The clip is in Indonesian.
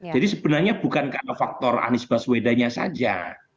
jadi sebenarnya bukan karena faktor anisbaswedanya saja